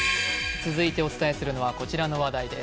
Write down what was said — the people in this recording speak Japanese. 続いてお伝えするのはこちらの話題です。